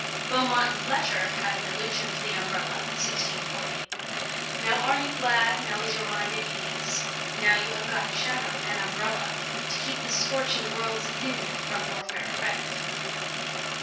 Beaumont and Fletcher have an allusion to the umbrella (1640); "Now are you glad, now is your mind at ease, Now you have got a shadow, an umbrella, To keep the 'scorching world's opinion From your fair credit."